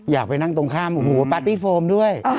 อยากไปนั่งตรงข้ามบาตี้โฟมด้วย